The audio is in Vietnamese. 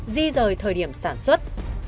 di rời thời điểm sản xuất